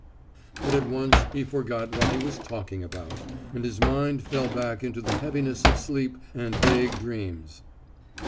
But at once he forgot what he was talking about, and his mind fell back into the heaviness of sleep and vague dreams.